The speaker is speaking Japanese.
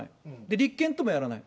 立憲ともやらない。